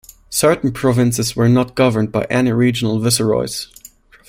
Certain provinces were not governed by any regional viceroys.